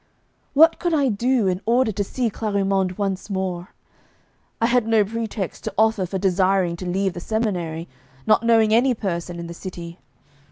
What could I do in order to see Clarimonde once more? I had no pretext to offer for desiring to leave the seminary, not knowing any person in the city.